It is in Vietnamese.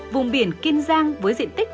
vùng biển kin giang với diện tích